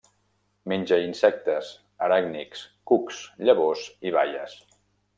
Menja insectes, aràcnids, cucs, llavors i baies.